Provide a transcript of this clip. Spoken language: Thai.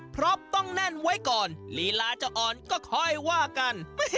เพราะต้องแน่นไว้ก่อนลีลาจะอ่อนก็ค่อยว่ากัน